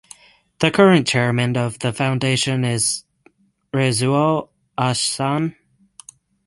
The current chairman of the foundation is Rezaul Ahsan.